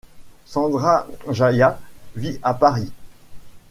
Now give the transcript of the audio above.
Sandra Jayat vit à Paris.